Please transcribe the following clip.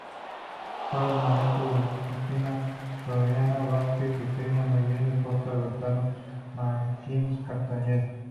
Fue maestro de Josefina Zoraida Vázquez, Eugenia Meyer y Jorge Alberto Manrique Castañeda.